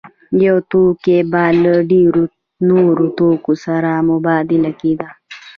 یو توکی به له ډېرو نورو توکو سره مبادله کېده